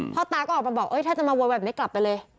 พ่อตาก็ออกมาบอกถ้าจะมาโวยวายแบบนี้กลับไปเลย